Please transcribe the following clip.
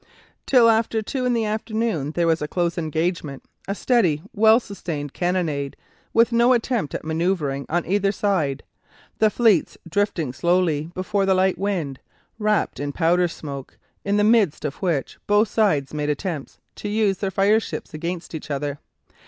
Till after two in the afternoon there was a close engagement, a steady, well sustained cannonade, with no attempt at manoeuvring on either side, the fleets drifting slowly before the light wind, wrapped in powder smoke, in the midst of which both sides made attempts to use their fireships against each other.